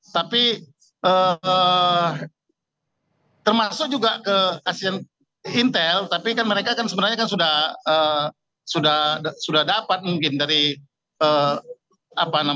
tapi termasuk juga ke asien intel tapi kan mereka sebenarnya sudah dapat mungkin dari surat yang kita kirimkan